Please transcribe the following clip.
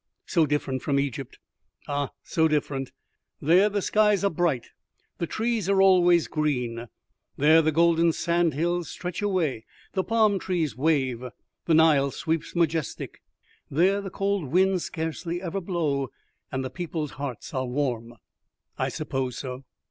"So different from Egypt ah, so different. There the skies are bright, the trees are always green. There the golden sandhills stretch away, the palm trees wave, the Nile sweeps majestic. There the cold winds scarcely ever blow, and the people's hearts are warm." "I suppose so."